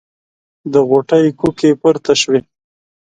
د غوټۍ کوکې پورته شوې.